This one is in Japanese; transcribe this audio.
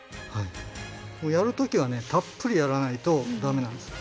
やる時はたっぷりやらないとダメなんです。